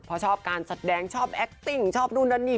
เพราะชอบการแสดงชอบแอคติ้งชอบนู่นนั่นนี่